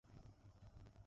Bro, কি খবর?